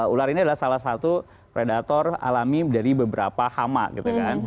ular ini adalah salah satu predator alami dari beberapa hama gitu kan